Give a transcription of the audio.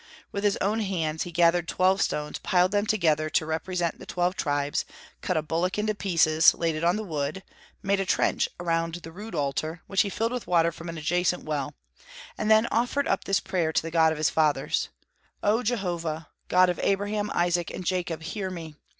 With his own hands he gathered twelve stones, piled them together to represent the twelve tribes, cut a bullock in pieces, laid it on the wood, made a trench around the rude altar, which he filled with water from an adjacent well, and then offered up this prayer to the God of his fathers: "O Jehovah, God of Abraham, Isaac, and Jacob, hear me!